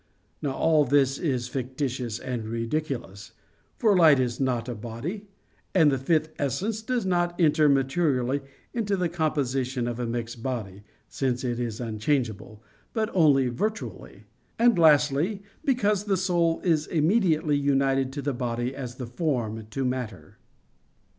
Now all this is fictitious and ridiculous: for light is not a body; and the fifth essence does not enter materially into the composition of a mixed body (since it is unchangeable), but only virtually: and lastly, because the soul is immediately united to the body as the form to matter.